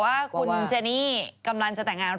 ว่าคุณเจนี่กำลังจะแต่งงาน